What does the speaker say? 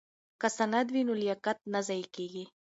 که سند وي نو لیاقت نه ضایع کیږي.